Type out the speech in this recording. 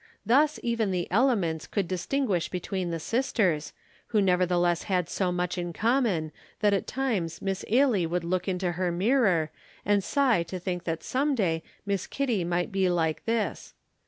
Thus even the elements could distinguish between the sisters, who nevertheless had so much in common that at times Miss Ailie would look into her mirror and sigh to think that some day Miss Kitty might be like this.